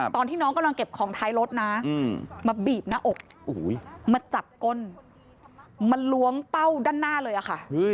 ตอนที่น้องกำลังเก็บของท้ายรถนะมาบีบหน้าอกมาจับก้นมาล้วงเป้าด้านหน้าเลยค่ะ